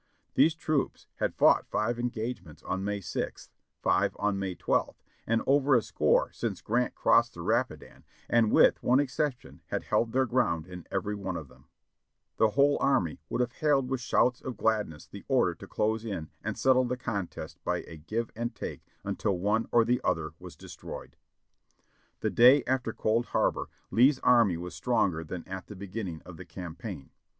These troops had fought five engagements on May 6th, five on May 12th, and over a score since Grant crossed the Rapi dan, and with one exception had held their ground in every one of them. The capital in the; dog days 595 The whole army would have hailed with shouts of gladness the order to close in and settle the contest by a give and take until one or the other was destroyed. The day after Cold Harbor Lee's army was stronger than at the beginning of the campaign.